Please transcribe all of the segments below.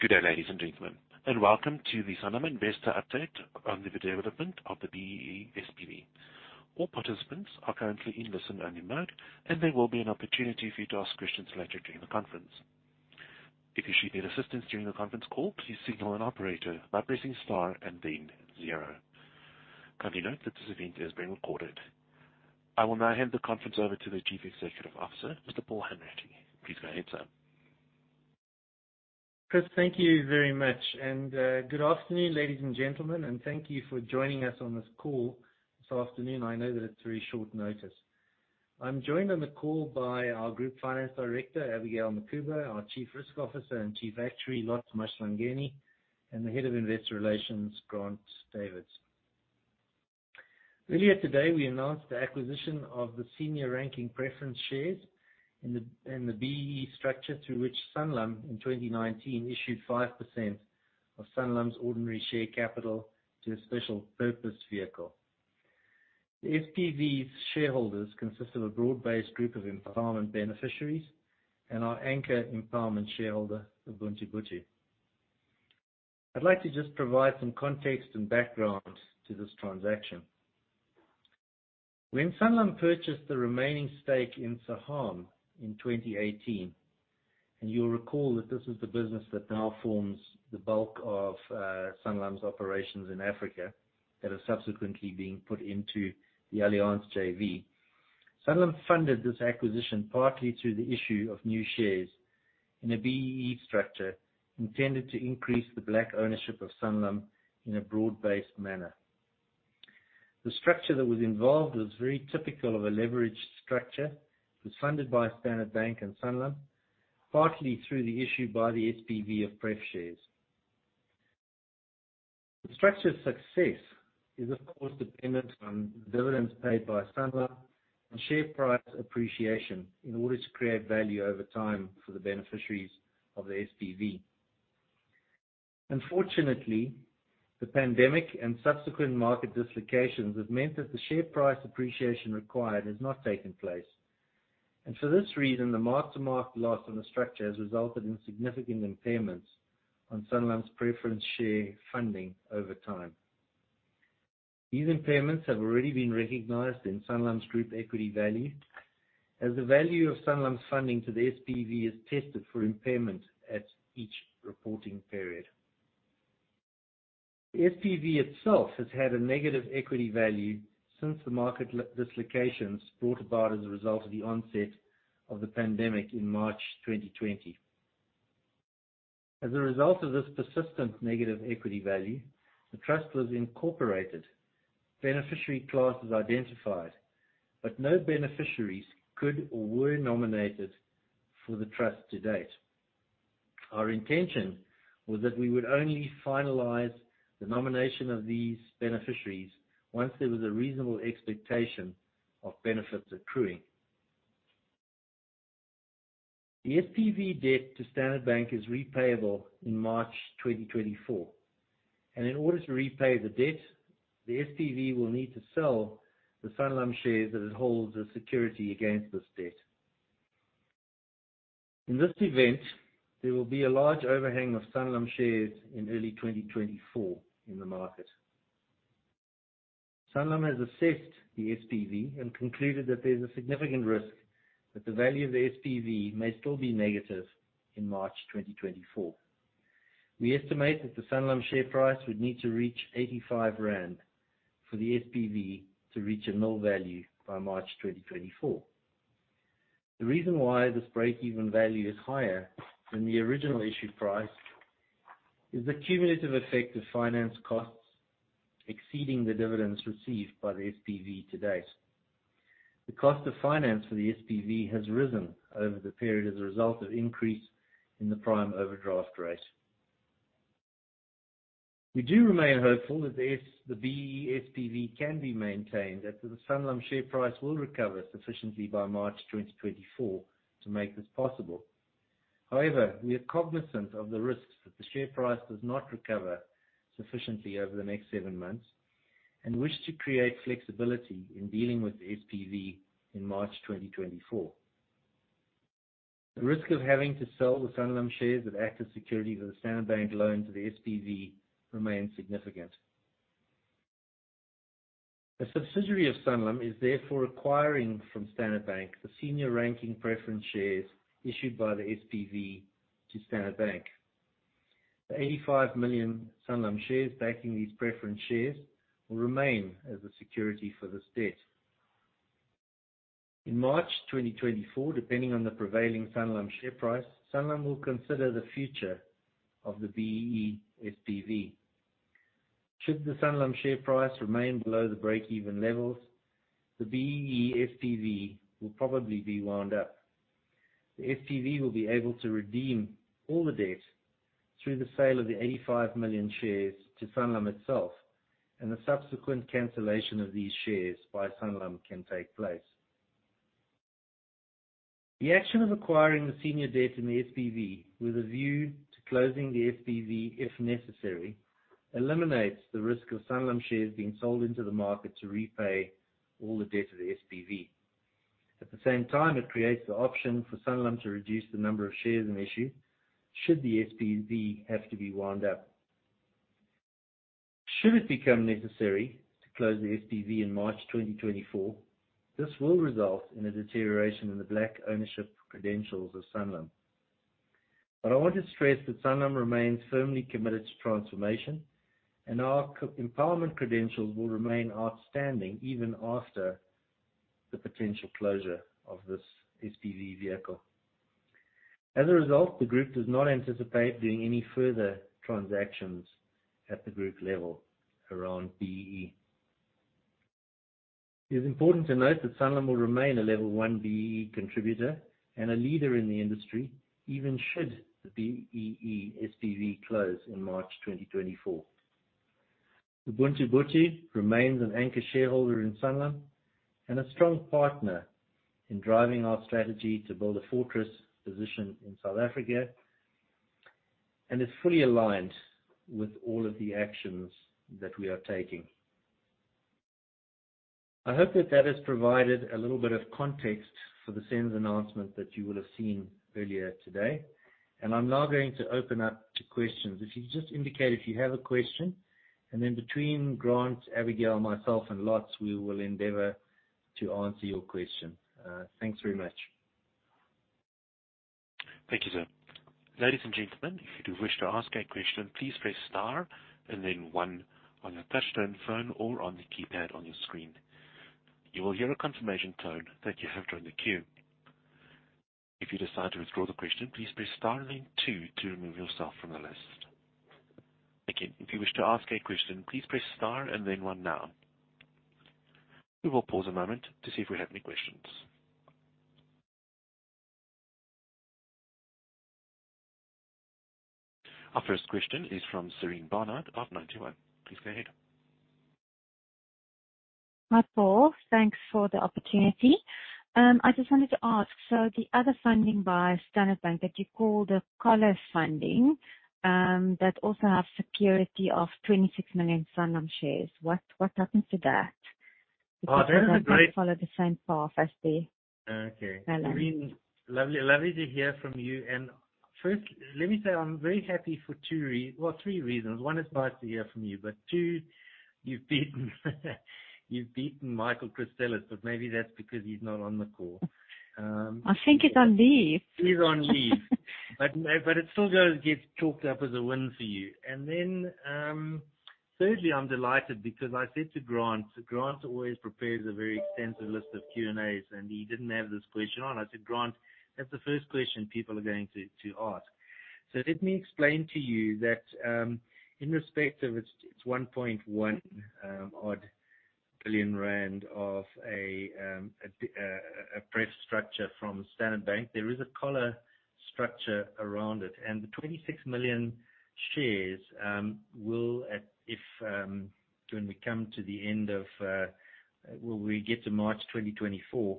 Good day, ladies and gentlemen. Welcome to the Sanlam Investor Update on the development of the BEE SPV. All participants are currently in listen-only mode, and there will be an opportunity for you to ask questions later during the conference. If you should need assistance during the conference call, please signal an operator by pressing star and then zero. Kindly note that this event is being recorded. I will now hand the conference over to the Chief Executive Officer, Mr. Paul Hanratty. Please go ahead, sir. Chris, thank you very much. Good afternoon, ladies and gentlemen, and thank you for joining us on this call this afternoon. I know that it's very short notice. I'm joined on the call by our Group Finance Director, Abigail Mukhuba, our Chief Risk Officer and Chief Actuary, Mlondolozi Mahlangeni, and the Head of Investor Relations, Grant Davids. Earlier today, we announced the acquisition of the senior ranking preference shares in the BEE structure through which Sanlam in 2019 issued 5% of Sanlam's ordinary share capital to a special purpose vehicle. The SPV's shareholders consist of a broad-based group of empowerment beneficiaries and our anchor empowerment shareholder, Ubuntu-Botho. I'd like to just provide some context and background to this transaction. When Sanlam purchased the remaining stake in Saham in 2018, and you'll recall that this is the business that now forms the bulk of Sanlam's operations in Africa that are subsequently being put into the Allianz JV. Sanlam funded this acquisition partly through the issue of new shares in a BEE structure intended to increase the black ownership of Sanlam in a broad-based manner. The structure that was involved was very typical of a leveraged structure. It was funded by Standard Bank and Sanlam, partly through the issue by the SPV of pref shares. The structure's success is, of course, dependent on dividends paid by Sanlam and share price appreciation in order to create value over time for the beneficiaries of the SPV. Unfortunately, the pandemic and subsequent market dislocations have meant that the share price appreciation required has not taken place. For this reason, the mark-to-market loss on the structure has resulted in significant impairments on Sanlam's preference share funding over time. These impairments have already been recognized in Sanlam's group equity value as the value of Sanlam's funding to the SPV is tested for impairment at each reporting period. The SPV itself has had a negative equity value since the market dislocations brought about as a result of the onset of the pandemic in March 2020. As a result of this persistent negative equity value, the trust was incorporated, beneficiary classes identified, but no beneficiaries could or were nominated for the trust to date. Our intention was that we would only finalize the nomination of these beneficiaries once there was a reasonable expectation of benefits accruing. The SPV debt to Standard Bank is repayable in March 2024. In order to repay the debt, the SPV will need to sell the Sanlam shares that it holds as security against this debt. In this event, there will be a large overhang of Sanlam shares in early 2024 in the market. Sanlam has assessed the SPV and concluded that there's a significant risk that the value of the SPV may still be negative in March 2024. We estimate that the Sanlam share price would need to reach 85 rand for the SPV to reach a nil value by March 2024. The reason why this break-even value is higher than the original issue price is the cumulative effect of finance costs exceeding the dividends received by the SPV to date. The cost of finance for the SPV has risen over the period as a result of increase in the prime overdraft rate. We do remain hopeful that the BEE SPV can be maintained, and that the Sanlam share price will recover sufficiently by March 2024 to make this possible. We are cognizant of the risks that the share price does not recover sufficiently over the next seven months and wish to create flexibility in dealing with the SPV in March 2024. The risk of having to sell the Sanlam shares that act as security to the Standard Bank loan to the SPV remains significant. A subsidiary of Sanlam is therefore acquiring from Standard Bank the senior ranking preference shares issued by the SPV to Standard Bank. The 85 million Sanlam shares backing these preference shares will remain as a security for this debt. In March 2024, depending on the prevailing Sanlam share price, Sanlam will consider the future of the BEE SPV. Should the Sanlam share price remain below the break-even levels, the BEE SPV will probably be wound up. The SPV will be able to redeem all the debt through the sale of the 85 million shares to Sanlam itself. The subsequent cancellation of these shares by Sanlam can take place. The action of acquiring the senior debt in the SPV with a view to closing the SPV, if necessary. Eliminates the risk of Sanlam shares being sold into the market to repay all the debt of the SPV. At the same time, it creates the option for Sanlam to reduce the number of shares in issue should the SPV have to be wind up. Should it become necessary to close the SPV in March 2024, this will result in a deterioration in the black ownership credentials of Sanlam. I want to stress that Sanlam remains firmly committed to transformation, and our empowerment credentials will remain outstanding even after the potential closure of this SPV vehicle. As a result, the group does not anticipate doing any further transactions at the group level around BEE. It is important to note that Sanlam will remain a Level 1 B-BBEE contributor and a leader in the industry, even should the BEE SPV close in March 2024. Ubuntu-Botho remains an anchor shareholder in Sanlam and a strong partner in driving our strategy to build a fortress position in South Africa, and is fully aligned with all of the actions that we are taking. I hope that that has provided a little bit of context for the SENS announcement that you will have seen earlier today. I'm now going to open up to questions. If you just indicate if you have a question, then between Grant, Abigail, myself, and Lot, we will endeavor to answer your question. Thanks very much. Thank you, sir. Ladies and gentlemen, if you do wish to ask a question, please press star and then one on your touchtone phone or on the keypad on your screen. You will hear a confirmation tone that you have joined the queue. If you decide to withdraw the question, please press star then two to remove yourself from the list. Again, if you wish to ask a question, please press star and then one now. We will pause a moment to see if we have any questions. Our first question is from Sarine Barnard of Ninety One. Please go ahead. Hi, Paul. Thanks for the opportunity. I just wanted to ask, the other funding by Standard Bank that you call the collar funding, that also have security of 26 million Sanlam shares. What happens to that? Oh. Follow the same path as. Okay. Sanlam. Sarine, lovely to hear from you. First, let me say I'm very happy for two well, three reasons. One, it's nice to hear from you, two, you've beaten Michael Christelis, maybe that's because he's not on the call. I think he's on leave. He's on leave. It still goes, gets chalked up as a win for you. Thirdly, I'm delighted because I said to Grant always prepares a very extensive list of Q&A's, and he didn't have this question on. I said, "Grant, that's the first question people are going to ask." Let me explain to you that in respect of it's 1.1 odd billion of a preference structure from Standard Bank. There is a collar structure around it. The 26 million shares will at... if, when we come to the end of, when we get to March 2024,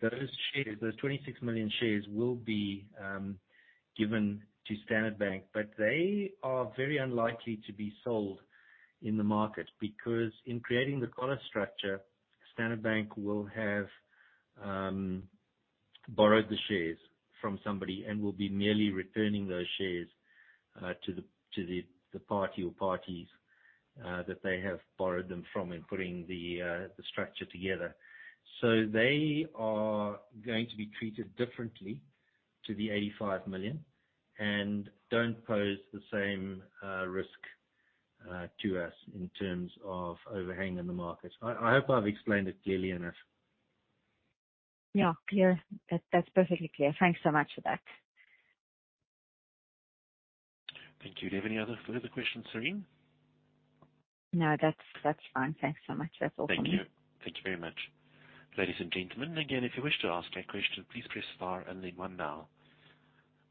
those 26 million shares will be given to Standard Bank. They are very unlikely to be sold in the market because in creating the collar structure, Standard Bank will have borrowed the shares from somebody and will be merely returning those shares to the, to the party or parties that they have borrowed them from in putting the structure together. They are going to be treated differently to the 85 million and don't pose the same risk to us in terms of overhang in the market. I hope I've explained it clearly enough. Yeah, clear. That's perfectly clear. Thanks so much for that. Thank you. Do you have any other further questions, Sarine? No, that's fine. Thanks so much. That's all from me. Thank you. Thank you very much. Ladies and gentlemen, again, if you wish to ask a question, please press star and then one now.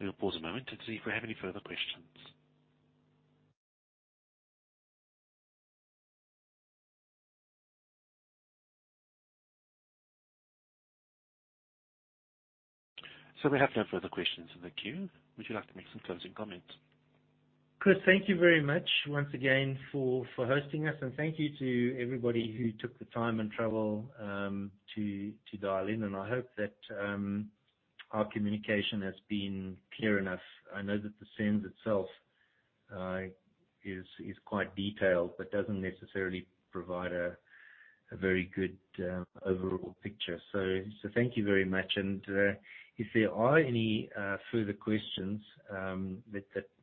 We will pause a moment and see if we have any further questions. We have no further questions in the queue. Would you like to make some closing comments? Chris, thank you very much once again for hosting us, and thank you to everybody who took the time and travel to dial in. I hope that our communication has been clear enough. I know that the SENS itself is quite detailed but doesn't necessarily provide a very good overall picture. Thank you very much. If there are any further questions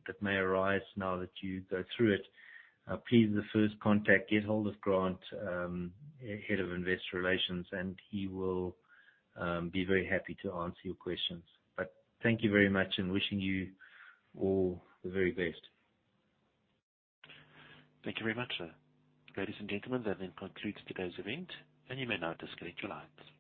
that may arise now that you go through it, please as the first contact, get hold of Grant, Head of Investor Relations, and he will be very happy to answer your questions. Thank you very much, and wishing you all the very best. Thank you very much, sir. Ladies and gentlemen, that then concludes today's event, and you may now disconnect your lines.